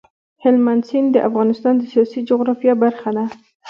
هلمند سیند د افغانستان د سیاسي جغرافیه برخه ده.